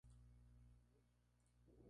Es interpretado por Reggie Lee.